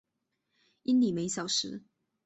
英里每小时。